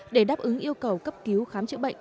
để đáp ứng yêu cầu cấp cứu khám chữa bệnh